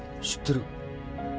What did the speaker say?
知ってる。